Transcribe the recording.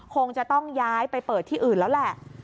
คงจะต้องย้ายไปเปิดที่อื่นแล้วแหละ